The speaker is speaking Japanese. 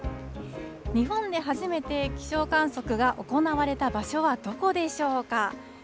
日本で初めて気象観測が行われた場所はどこでしょうか。